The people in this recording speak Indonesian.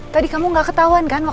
tapi aku akan berusaha